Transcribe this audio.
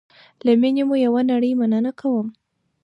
له میني مو یوه نړی مننه کوم